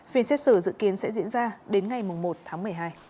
phiên xét xử dự kiến sẽ diễn ra đến ngày một tháng một mươi hai